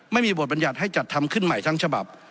ไม่มีบทบรรยัติให้จัดทำขึ้นใหม่ทั้งฉบับ